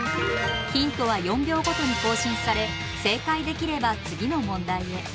ヒントは４秒ごとに更新され正解できれば次の問題へ。